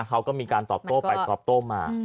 เขาก็มีการตอบโต้ไปตอบโต้มา